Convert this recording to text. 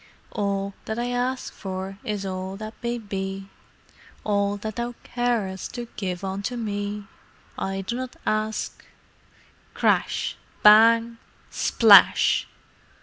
"'All that I a a sk for is all that may be, All that thou ca a a rest to give unto me! I do not ask'"—— Crash! Bang! Splash!